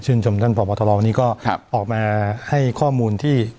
ชื่นชมท่านบอร์บอเตอร์วันนี้ก็ออกมาให้ข้อมูลที่